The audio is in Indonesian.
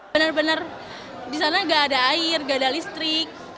benar benar di sana nggak ada air nggak ada listrik